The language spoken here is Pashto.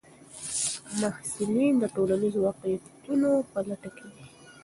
محصلین د ټولنیزو واقعیتونو په لټه کې دي.